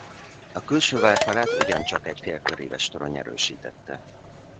A külső vár falát ugyancsak egy félköríves torony erősítette.